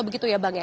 begitu ya bang ya